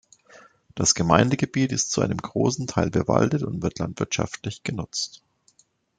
Das Gemeindegebiet ist zu einem großen Teil bewaldet und wird landwirtschaftlich genutzt.